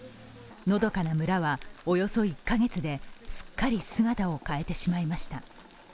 のどかな村はおよそ１カ月ですっかり姿を変えてしまいました。